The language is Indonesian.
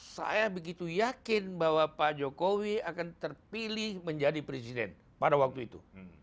saya begitu yakin bahwa pak jokowi akan terpilih menjadi presiden pada waktu itu